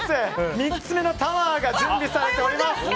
３つ目のタワーが準備されております。